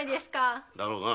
だろうな。